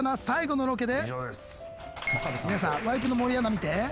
皆さんワイプの森アナ見て！